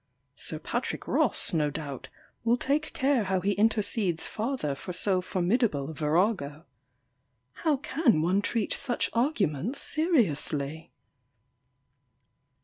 Sir Patrick Ross, no doubt, will take care how he intercedes farther for so formidable a virago! How can one treat such arguments seriously?